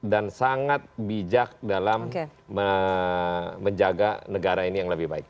dan sangat bijak dalam menjaga negara ini yang lebih baik